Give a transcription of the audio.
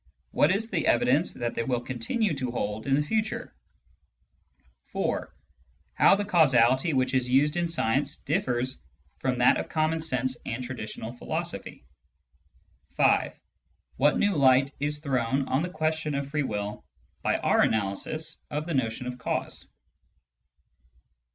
what is the evidence that they will continue to hold in the future ; IV., how the Digitized by Google ON THE NOTION OF CAUSE 213 causality which is used in science differs from that of common sense and traditional philosophy ; V., what new light is thrown on the question of free will by our analysis of the notion of "cause."